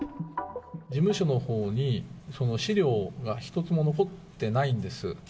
事務所のほうに、その資料が一つも残ってないんです。